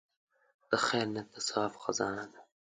د خیر نیت د ثواب خزانه ده.